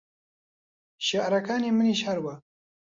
شێعرەکانی منیش هەروا